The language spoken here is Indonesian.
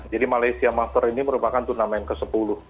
jadi malaysia masters ini merupakan turnamen ke sepuluh